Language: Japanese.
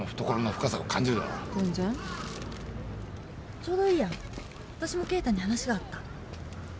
ちょうどいいやわたしも敬太に話があった。